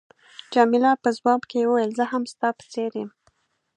جميله په ځواب کې وویل، زه هم ستا په څېر یم.